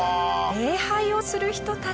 礼拝をする人たち。